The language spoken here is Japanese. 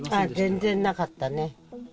全然なかったね。